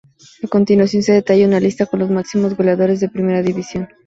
A continuación se detalla una lista con los máximos goleadores de Primera División.